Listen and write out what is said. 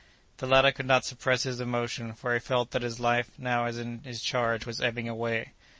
The latter could not suppress his emotion, for he felt that this life now in his charge was ebbing away.